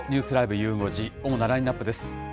ゆう５時、主なラインナップです。